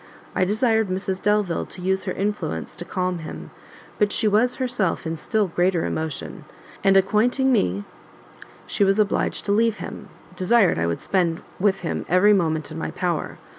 I desired Mrs Delvile to use her influence to calm him; but she was herself in still greater emotion, and acquainting me she was obliged to leave him, desired I would spend with him every moment in my power.